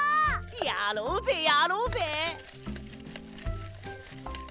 やろうぜやろうぜ！